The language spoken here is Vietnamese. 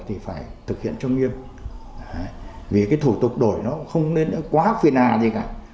thực hiện cho nông nghiệp vì cái thủ tục đổi nó không nên quá phiền hà gì cả